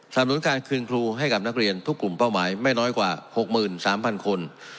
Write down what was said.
นุนการคืนครูให้กับนักเรียนทุกกลุ่มเป้าหมายไม่น้อยกว่า๖๓๐๐คน